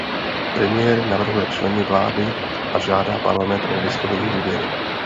Premiér navrhuje členy vlády a žádá parlament o vyslovení důvěry.